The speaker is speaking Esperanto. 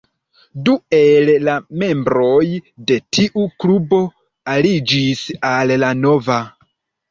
Du el la membroj de tiu klubo aliĝis al la nova.